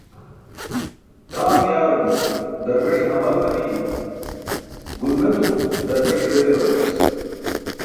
Tʰaaṅ yaarum darbeṣe hamal manii, ġulmetum darbeṣ be dewaranas.